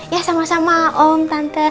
ya sama sama om tante